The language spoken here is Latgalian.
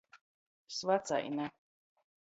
Svacaine.